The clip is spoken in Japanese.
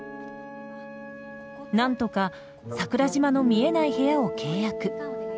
なんとか桜島の見えない部屋を契約。